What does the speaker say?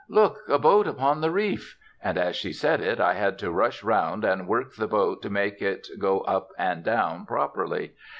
Look! a boat upon the reef!" And as she said it I had to rush round and work the boat to make it go up and down properly.